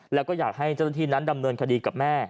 แล้วก็อยากให้เจ้าหน้าที่นั้นดำเนินคดีกับแม่